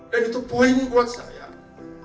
dan itu poin buat saya